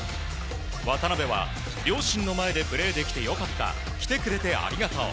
渡邊は両親の前でプレーできてよかった来てくれてありがとう。